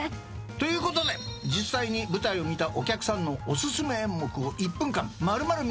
ということで実際に舞台を見たお客さんのお薦め演目を１分間丸々見せちゃう。